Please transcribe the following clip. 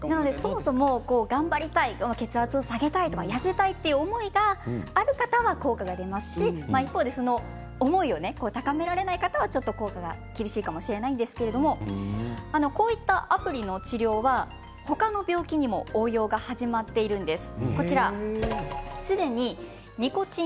そもそも、痩せたい血圧を下げたいという思いがある方は効果がありますしそういう思いを高められない方は効果が厳しいかもしれないんですけれどこういったアプリの治療は他の病気にも応用が始まっています。